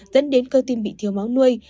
dẫn đến cơ tim bị thiếu máu nuôi